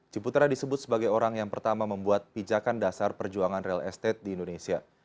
ciputra disebut sebagai orang yang pertama membuat pijakan dasar perjuangan real estate di indonesia